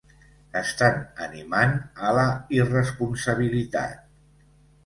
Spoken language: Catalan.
Estan animant a la irresponsabilitat.